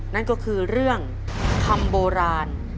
นั่นก็คือเรื่องคำโบราณ